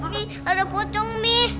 nih ada pocong nih